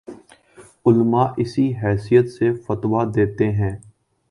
علما اسی حیثیت سے فتویٰ دیتے ہیں